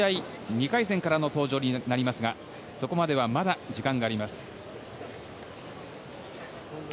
２回戦からの登場になりますがそこまではまだ時間があります。